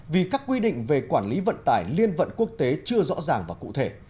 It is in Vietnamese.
vì các quy định về quản lý vận tải liên vận quốc tế chưa rõ ràng và cụ thể